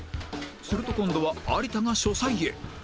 すると今度は有田が書斎へ